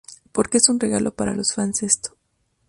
Porque es un regalo para los fans esto.